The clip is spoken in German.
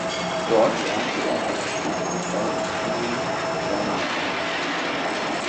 Dort lernte er seine spätere Frau Emilie Krämer kennen.